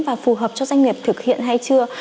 và phù hợp cho doanh nghiệp thực hiện hay chưa